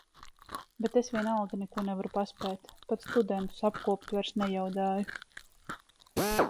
Bet es vienalga neko nevaru paspēt, pat studentus apkopt vairs nejaudāju.